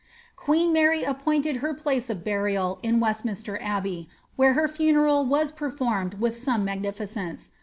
Queen Mary appointed her place of burial in Westminster Abbey, vhere her funeral was performed with some magnificence.